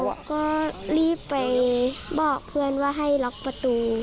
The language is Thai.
ก็รีบไปบอกเพื่อนว่าให้ล็อกประตู